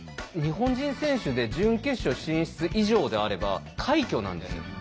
日本人選手で準決勝進出以上であれば快挙なんですよ。